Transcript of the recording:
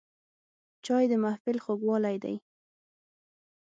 چای د محفل خوږوالی دی